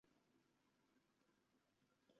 O‘rmon aka Toshkent viloyatidan tashrif buyurganlar.